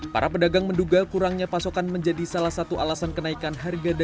para pedagang menduga kurangnya pasokan menjadi salah satu alasan kenaikan harga